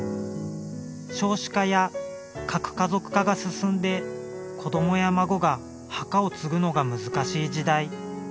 少子化や核家族化が進んで子どもや孫が墓を継ぐのが難しい時代。